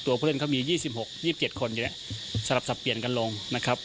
ตัวผู้เล่นเขามี๒๖๒๗คนอย่างเนี่ยสรรพสับเปลี่ยนกันลงนะครับ